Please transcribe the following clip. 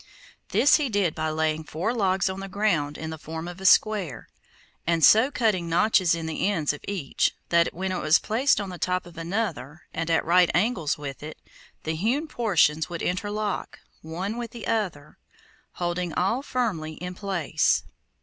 This he did by laying four logs on the ground in the form of a square, and so cutting notches in the ends of each that when it was placed on the top of another, and at right angles with it, the hewn portions would interlock, one with the other, holding all firmly in place.